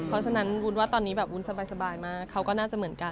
เพราะฉะนั้นวุ้นว่าตอนนี้แบบวุ้นสบายมากเขาก็น่าจะเหมือนกัน